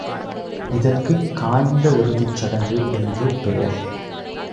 இதற்குக் காய்ந்த இறுதிச் சடங்கு என்று பெயர்.